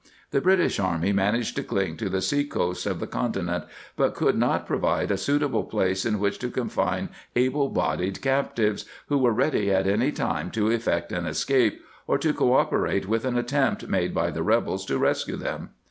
The British army managed to cling td the sea coast of the continent, but could not pro \ vide a suitable place in which to confine able \ bodied captives who were ready at any time to \ effect an escape or to co operate with an attempt \ made by the rebels to rescue them.